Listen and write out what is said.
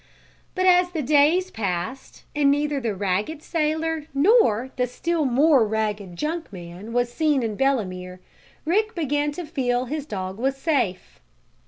But as the days passed, and neither the ragged sailor nor the still more ragged junk man was seen in Belemere, Rick began to feel that his dog was safe.